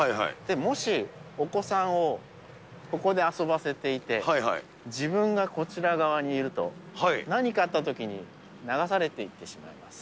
もし、お子さんをここで遊ばせていて、自分がこちら側にいると、何かあったときに流されていってしまいます。